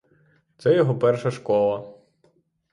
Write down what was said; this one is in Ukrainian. Це його перша школа.